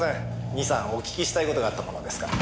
２３お聞きしたい事があったものですから。